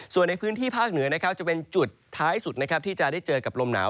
ส่วนในพื้นที่ภาคเหนือจะเป็นจุดท้ายสุดที่จะได้เจอกับลมหนาว